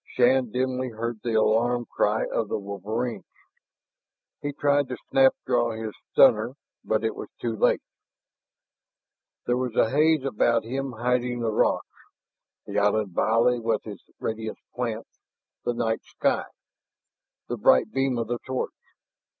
Shann dimly heard the alarm cry of the wolverines. He tried to snap draw his stunner, but it was too late. There was a haze about him hiding the rocks, the island valley with its radiant plants, the night sky, the bright beam of the torch.